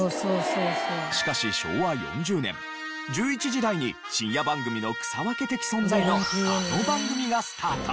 しかし昭和４０年１１時台に深夜番組の草分け的存在のあの番組がスタート。